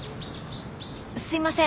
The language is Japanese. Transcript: すいません